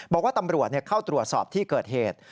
บอกว่าตำรวจเข้าตรวจสอบที่เกิดเหตุ